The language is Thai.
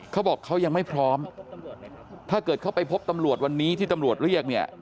เขาบอกเขายังไม่พร้อมถ้าเกิดเขาไปพบตำรวจวันนี้ที่ตำรวจเรียกเนี่ย